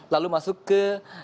lalu masuk ke